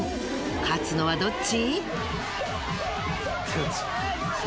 勝つのはどっち！？